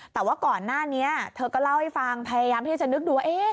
แต่ว่าก่อนหน้านี้เธอก็เล่าให้ฟังพยายามที่จะนึกดู